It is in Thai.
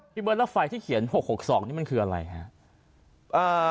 พี่เบิ้ลแล้วไฟที่เขียน๖๖๒นี่มันคืออะไรฮะ